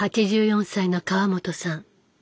８４歳の川本さん。